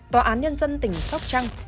tòa án nhân dân tỉnh sóc trăng